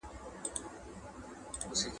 د نوریې په نوم د یوې بې وزلي نجلۍ